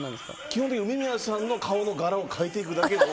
基本的には梅宮さんの顔の柄を変えるだけの。